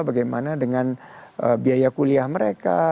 bagaimana dengan biaya kuliah mereka